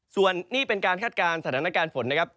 ส่วนนี้เป็นการคาดการณ์สถานการณ์ฝนนะครับ